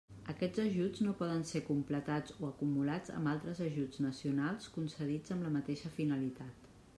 Aquests ajuts no poden ser completats o acumulats amb altres ajuts nacionals concedits amb la mateixa finalitat.